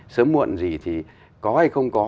sớm muộn gì thì có hay không có